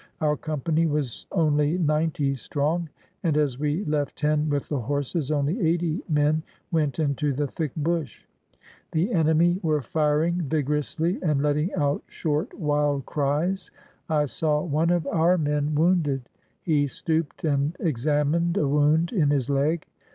Our company was only ninety strong, and, as we left ten with the horses, only eighty men went into the thick bush. The enemy were firing vigorously and letting out short, wild cries. I saw one of our men 476 ADVANCING UPON THE ENEMY wounded. He stooped and examined a wound in his leg.